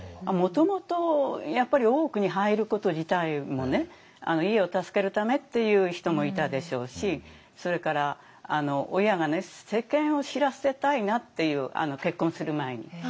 もともとやっぱり大奥に入ること自体も家を助けるためっていう人もいたでしょうしそれから親が世間を知らせたいなっていう結婚する前に。